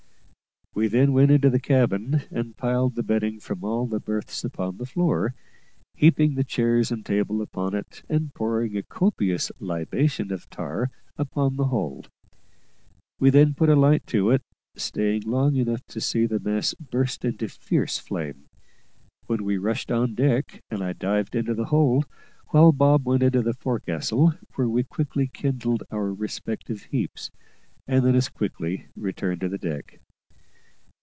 We then went into the cabin, and piled the bedding from all the berths upon the floor, heaping the chairs and table upon it, and pouring a copious libation of tar upon the whole. We then put a light to it, staying long enough to see the mass burst into fierce flame; when we rushed on deck, and I dived into the hold, whilst Bob went into the forecastle, where we quickly kindled our respective heaps, and then as quickly returned to the deck.